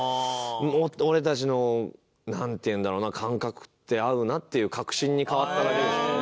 俺たちのなんていうんだろうな感覚って合うなっていう確信に変わっただけですね。